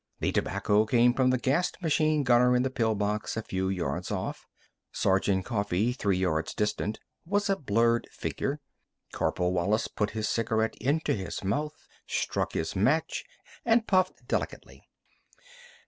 The tobacco came from the gassed machine gunner in the pill box a few yards off. Sergeant Coffee, three yards distant, was a blurred figure. Corporal Wallis put his cigarette into his mouth, struck his match, and puffed delicately.